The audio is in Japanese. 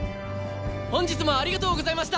本日もありがとうございました！